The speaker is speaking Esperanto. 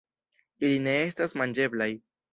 Ili ne estas manĝeblaj.